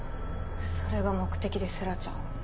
それが目的で星来ちゃんを？